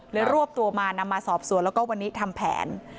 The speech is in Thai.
รวบตัวมานำมาสอบสวนแล้วก็วันนี้ทำแผน